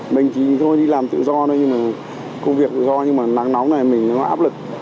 mình chỉ thôi đi làm tự do thôi công việc tự do nhưng mà nắng nóng này mình nó áp lực